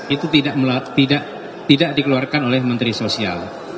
itu tidak dikeluarkan oleh menteri sosial